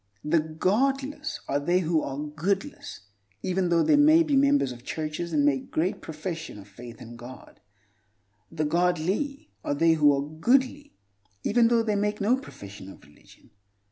The "godless" are they who are goodless, even though they may be members of churches and make a great profession of faith in God. The "godly" are they who are goodly even though they make no profession of religion.